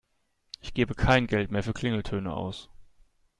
Ich gebe kein Geld mehr für Klingeltöne aus.